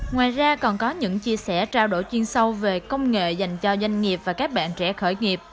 ngoài ra còn có những chia sẻ trao đổi chuyên sâu về công nghệ dành cho doanh nghiệp và các bạn trẻ khởi nghiệp